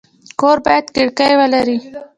کور باید کړکۍ ولري